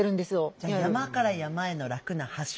じゃあ山から山への楽な橋はないんだ。